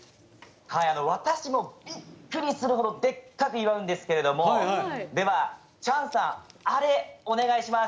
私もびっくりするほどでっかく祝うんですけどチャンさん、あれ、お願いします。